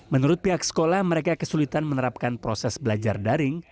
menurut pihak sekolah mereka kesulitan menerapkan proses belajar daring